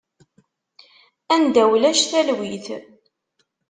Anda ulac talwit.